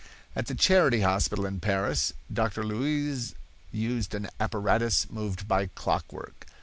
At the Charity hospital in Paris, Doctor Luys used an apparatus moved by clockwork.